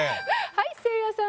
はいせいやさん。